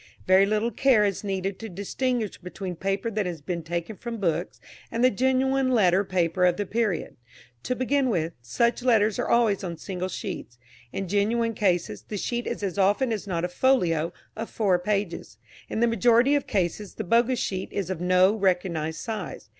Very little care is needed to distinguish between paper that has been taken from books and the genuine letter paper of the period. To begin with, such letters are always on single sheets. In genuine cases, the sheet is as often as not a folio of four pages. In the majority of cases the bogus sheet is of no recognised size.